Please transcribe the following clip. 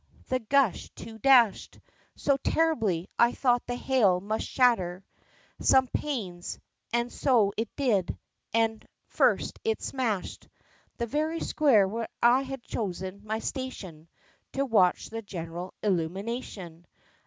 the gust too dashed So terribly, I thought the hail must shatter Some panes, and so it did and first it smashed The very square where I had chose my station To watch the general illumination.